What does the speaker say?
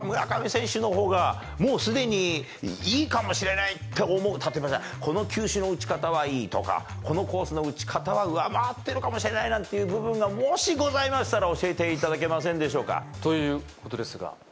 その落合さんからご覧になって、村上選手、技術面で、ああ、確か現役時代の俺よりも、ここは村上選手のほうが、もうすでにいいかもしれないって思う、例えば、この球種の打ち方はいいとか、このコースの打ち方は上回っているかもしれないなんていう部分がもしございましたら教えていただけませんでしょうか。ということですが。